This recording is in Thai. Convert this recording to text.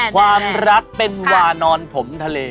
ความรักเป็นวานอนถมทะเล